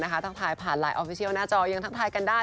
ทักทายผ่านไลน์ออฟฟิเชียลหน้าจอยังทักทายกันได้